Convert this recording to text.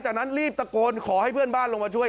จากนั้นรีบตะโกนขอให้เพื่อนบ้านลงมาช่วย